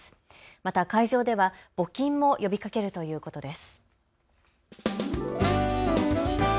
また会場では募金も呼びかけるということです。